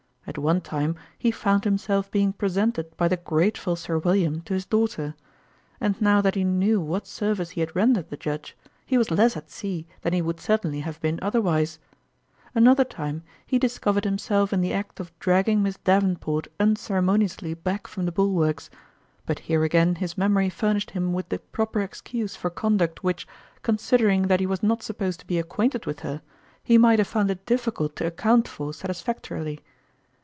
At one time, he found himself being presented by the grateful Sir William to his daughter ; and now that he knew what service he had rendered the Judge, he was less at sea than he would certainly have been otherwise. Another time, he discovered himself in the act of dragging Miss Davenport unceremoniously back from the bulwarks ; but here again his memory furnished him with the proper excuse for conduct which, considering that he was not supposed to be acquainted with Jkriobic EJratmngs. 95 her, he might have found it difficult to account for satisfactorily.